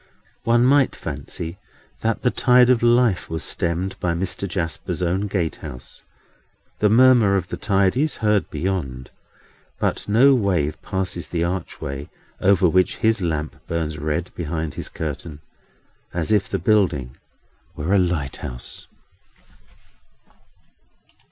One might fancy that the tide of life was stemmed by Mr. Jasper's own gatehouse. The murmur of the tide is heard beyond; but no wave passes the archway, over which his lamp burns red behind his curtain, as if the building were a Lighthouse.